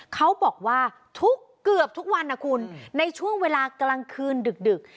เขาบอกว่าทุกเกือบทุกวันนะคุณในช่วงเวลากลางคืนดึก